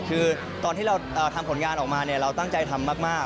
คือตอนที่เราทำผลงานออกมาเราตั้งใจทำมาก